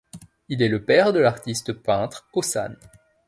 Il est le père de l'artiste peintre Osanne.